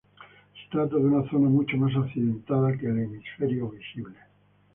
Se trata de una zona mucho más accidentada que el hemisferio visible.